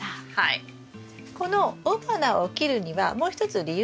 この雄花を切るにはもう一つ理由があります。